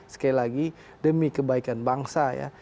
sekali lagi demi kebaikan bangsa ya